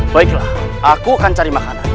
baiklah aku akan cari makanan